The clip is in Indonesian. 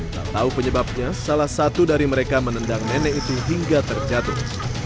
tak tahu penyebabnya salah satu dari mereka menendang nenek itu hingga terjatuh